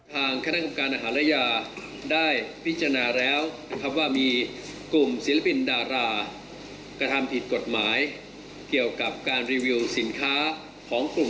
ทำหลักฐานไปที่ปปง